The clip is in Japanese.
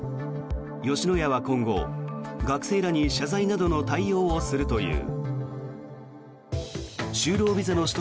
吉野家は今後、学生らに謝罪などの対応をするという。